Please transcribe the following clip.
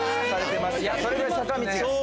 それぐらい坂道が好き。